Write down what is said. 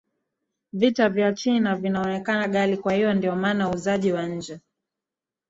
vitu vya china vinaonekana gali kwa hiyo ndio maana uuzaji wa nje